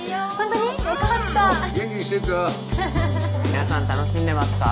皆さん楽しんでますか？